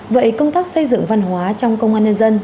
vậy công tác xây dựng văn hóa trong công an nhân dân